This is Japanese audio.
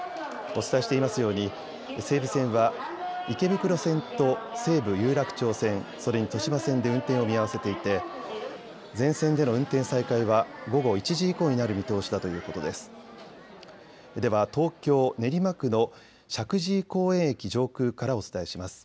お伝えしていますように西武線は池袋線と西武有楽町線、それに豊島線で運転を見合わせていて全線での運転再開は午後１時以降になる見通しだということです。